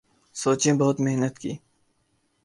سوچیں بہت محنت کی